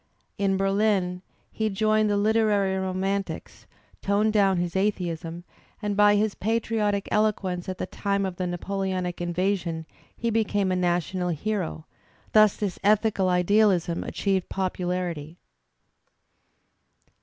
In Berlin he joined the Uterary romantics, toned down his atheism, and by his patriotic eloquence at the time of the Napoleonic invasion he became a national hero; thus this ethical idealism achieved popularity.